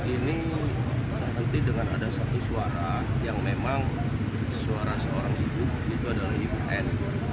ini nanti dengan ada satu suara yang memang suara seorang ibu itu adalah ibu n